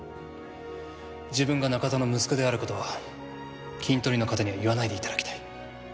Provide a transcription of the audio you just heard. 自分が中田の息子である事はキントリの方には言わないで頂きたい。